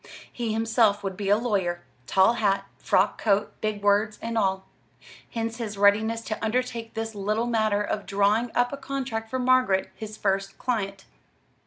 He himself would be a lawyer tall hat, frock coat, big words and all. Hence his readiness to undertake this little matter of drawing up a contract for Margaret, his first client.